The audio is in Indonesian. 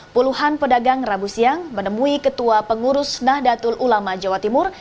puluhan pedagang rabu siang menemui ketua pengurus nahdlatul ulama jawa timur